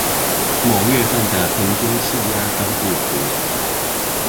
某月份的平均氣壓分佈圖